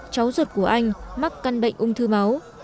cháu ruột của anh mắc căn bệnh ung thư máu